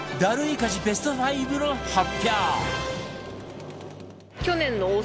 家事ベスト５の発表！